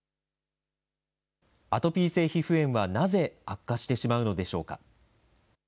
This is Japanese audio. アトピー性皮膚炎はなぜ悪化してしまうのでしょうか。